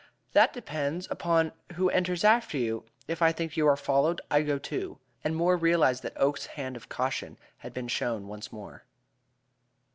"That depends upon who enters after you. If I think you are followed, I go too." And Moore realized that Oakes's hand of caution had been shown once more.